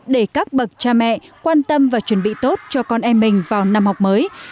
để các bậc cha mẹ quan tâm và chuẩn bị tốt cho con em mình vào năm học mới